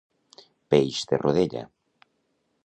Peix de rodella.